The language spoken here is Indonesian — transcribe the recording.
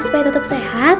supaya tetep sehat